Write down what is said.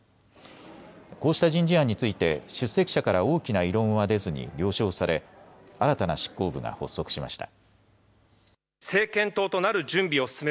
こうした人事案について出席者から大きな異論は出ずに了承され新たな執行部が発足しました。